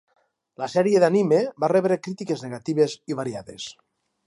La sèrie d'anime va rebre crítiques negatives i variades.